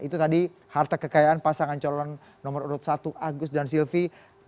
itu tadi harta kekayaan pasangan calon nomor urut satu agus dan silvi